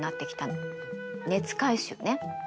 熱回収ね。